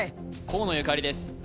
河野ゆかりです